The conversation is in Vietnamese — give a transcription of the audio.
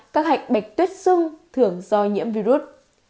các hạch bạch tuyết xung thường do nhiễm virus